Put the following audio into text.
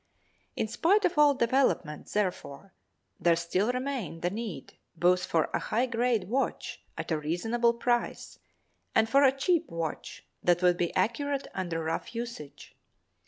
In spite of all developments, therefore, there still remained the need both for a high grade watch at a reasonable price and for a cheap watch that would be accurate under rough usage.